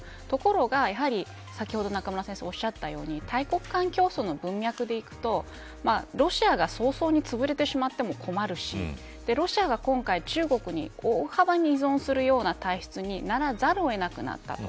ところが、やはり先ほど中村先生おっしゃったように大国間競争の文脈でいうとロシアが早々につぶれてしまっても困るしロシアが今回、中国に大幅に依存するような体質にならざるを得なくなった。